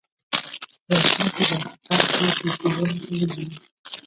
په راتلونکې درسي ساعت کې یې ټولګیوالو ته ولولئ.